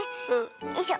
よいしょ。